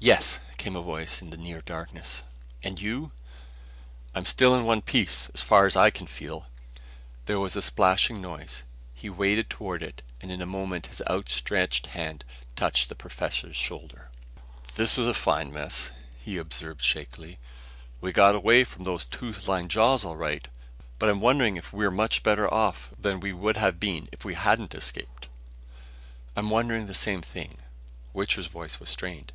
"Yes," came a voice in the near darkness. "And you?" "I'm still in one piece as far as I can feel." There was a splashing noise. He waded toward it and in a moment his outstretched hand touched the professor's shoulder. "This is a fine mess," he observed shakily. "We got away from those tooth lined jaws, all right, but I'm wondering if we're much better off than we would have been if we hadn't escaped." "I'm wondering the same thing." Wichter's voice was strained.